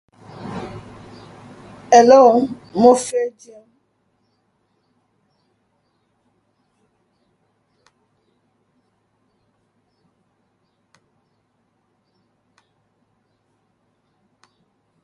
Historically they have a chapeau, "gules doubled ermines", ermines being white tails on black.